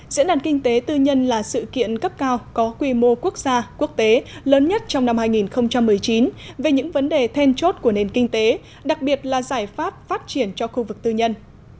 diễn đàn kinh tế tư nhân là sự kiện cấp cao có quy mô quốc gia quốc tế lớn nhất trong năm hai nghìn một mươi chín về những vấn đề then chốt của nền kinh tế đặc biệt là giải pháp phát triển cho khu vực tư nhân